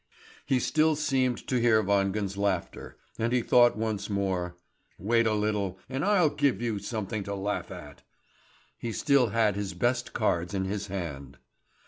He still seemed to hear Wangen's laughter, and he thought once more: "Wait a little, and I'll give you something to laugh at!" He still had his best cards in his hand.